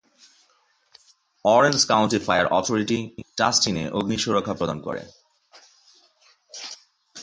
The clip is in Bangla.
অরেঞ্জ কাউন্টি ফায়ার অথরিটি টাস্টিনে অগ্নি সুরক্ষা প্রদান করে।